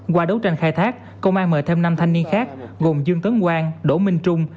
qua đấu tranh khai thác công an mời thêm năm thanh niên khác gồm dương tấn quang đỗ minh trung